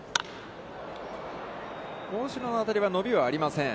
大城の当たりは伸びはありません。